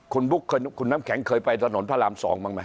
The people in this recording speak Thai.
คุณบุ๊คคุณน้ำแข็งเคยไปถนนพระราม๒บ้างไหม